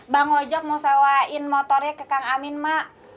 bang ojak mau sawain motornya ke kang amin mak